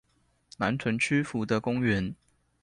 南屯區福德公園